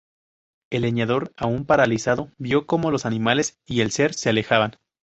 El leñador aún paralizado vio cómo los animales y el ser se alejaban.